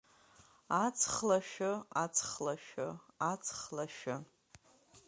Аҵх лашәы, аҵх лашәы, аҵх лашәы!